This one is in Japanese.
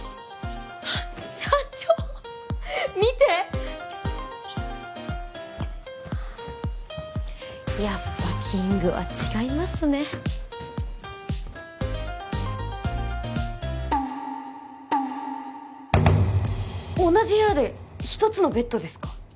社長見てやっぱキングは違いますね同じ部屋で一つのベッドですか？